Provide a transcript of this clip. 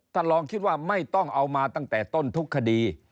ท่านลองคิดว่าไม่ต้องเอามาตั้งแต่ต้นทุกคดี